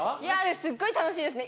すっごい楽しいですね